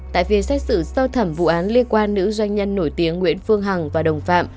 tại phiên xét xử sơ thẩm vụ án liên quan nữ doanh nhân nổi tiếng nguyễn phương hằng và đồng phạm